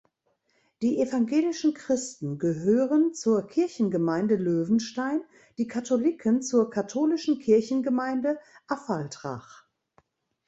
Die evangelischen Christen gehören zur Kirchengemeinde Löwenstein, die Katholiken zur katholischen Kirchengemeinde Affaltrach.